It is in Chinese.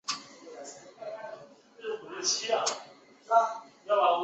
片中的所有演员都是由村庄里的真实人物原生态工作了一年时间。